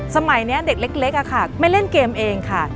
สมัยนี้เด็กเล็กไม่เล่นเกมเองค่ะ